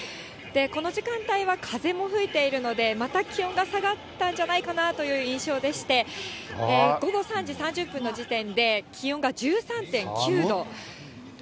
この時間帯は風も吹いているので、また気温が下がったんじゃないかなといった印象でして、午後３時３０分の時点で、気温が１３．９度。